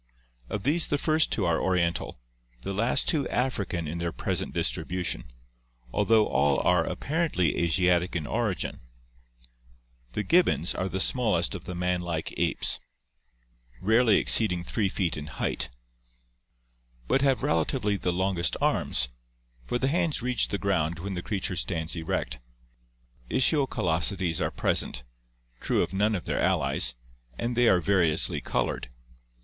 Of these the first two are Oriental, the last two African in their present distribution, although all are apparently Asiatic in origin (see page 675). The gibbons (PL XXVI) are the smallest of the man like apes, 648 ORGANIC EVOLUTION rarely exceeding 3 feet in height, but have relatively the longest arms, for the hands reach the ground when the creature stands erect. Ischial callosities are present — true of none of their allies — and they are variously colored.